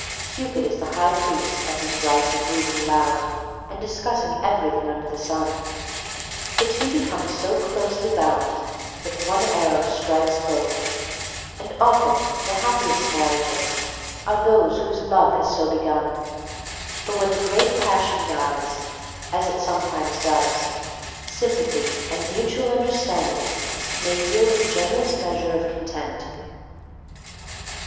Cupid is the high priest at these rites of reading aloud and discussing everything under the sun. The two become so closely bound that one arrow strikes both, and often the happiest marriages are those whose love has so begun, for when the Great Passion dies, as it sometimes does, sympathy and mutual understanding may yield a generous measure of content.